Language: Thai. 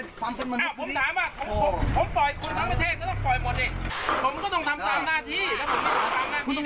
ถามว่าผมผมผมปล่อยพวกเขาต้องปล่อยหมดเลยผมก็ต้อง